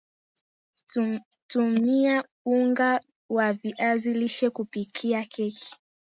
Tumia Unga wa viazi lishe kupikia keki